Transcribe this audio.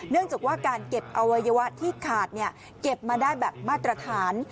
เนื่องจากว่าการเก็บอวัยวะที่ขาดเก็บมาได้แบบมาตรฐาน